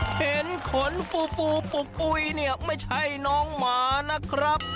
ขนฟูฟูปุกปุ๋ยเนี่ยไม่ใช่น้องหมานะครับ